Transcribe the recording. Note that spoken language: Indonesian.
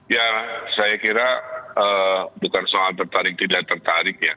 ya saya kira bukan soal tertarik tidak tertarik ya